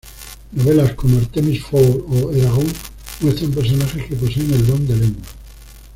Novelas como "Artemis Fowl" o "Eragon" muestran personajes que poseen el don de lenguas.